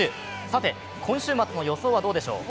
さて、今週末の予想はどうでしょう？